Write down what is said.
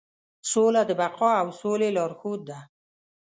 سوله د بقا او سولې لارښود ده.